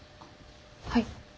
はい。